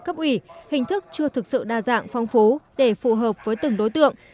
cấp ủy hình thức chưa thực sự đa dạng phong phú để phù hợp với từng đối tượng